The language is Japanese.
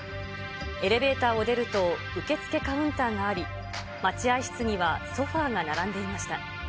エレベーターを出ると受付カウンターがあり、待合室にはソファーが並んでいました。